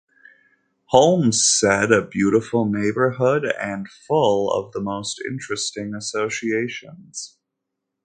Holmes said, A beautiful neighbourhood and full of the most interesting associations.